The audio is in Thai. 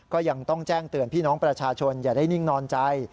ก็ยังต้องแจ้งเตือนพี่น้องประชาชนอย่าได้นิ่งนอนใจ